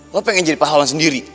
gue pengen jadi pahlawan sendiri